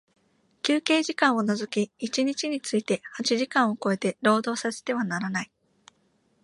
休憩時間を除き一日について八時間を超えて、労働させてはならない。